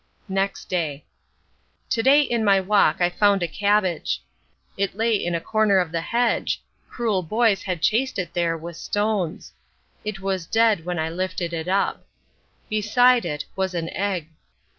Next Day. To day in my walk I found a cabbage. It lay in a corner of the hedge. Cruel boys had chased it there with stones. It was dead when I lifted it up. Beside it was an egg.